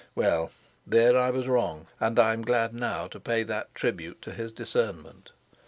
Well, there I was wrong, and I am glad now to pay that tribute to his discernment.